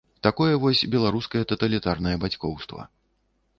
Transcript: Такое вось беларускае таталітарнае бацькоўства.